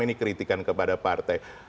ini kritikan kepada partai